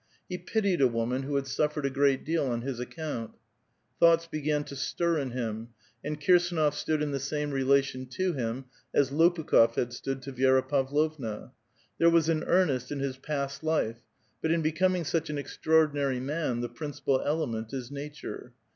He ])itied a woman who had Buflfered a great deal on his account. Thoughts began to stir in him, and Kirsdnof stood in the same relation to him. as Lopukhof had stood to Vi^ra Pavlovna. There was aii. earnest in his past life ; but in becoming such an exti*aordi nary man the principal element is nature.